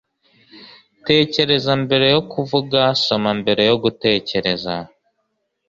tekereza mbere yo kuvuga. soma mbere yo gutekereza